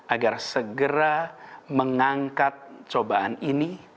agar segera mengangkat cobaan ini